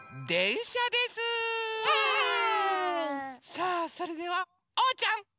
さあそれではおうちゃん！